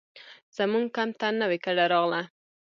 زموږ کمپ ته نوې کډه راغله.